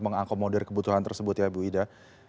mengakomodir kebutuhan tersebut ya ibu ida